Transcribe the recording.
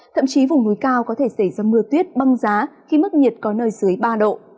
thậm chí vùng núi cao có thể xảy ra mưa tuyết băng giá khi mức nhiệt có nơi dưới ba độ